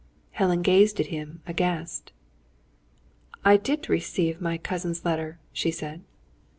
Helen gazed at him, aghast. "I did receive my cousin's letter," she said.